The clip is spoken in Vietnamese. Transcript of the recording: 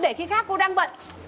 để khi khác cô đang bận